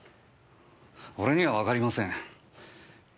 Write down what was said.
俺にはわかりません。